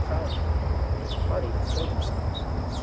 Proudhon and his party betray themselves.